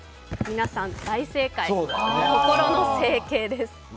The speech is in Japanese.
皆さん大正解、心の整形です。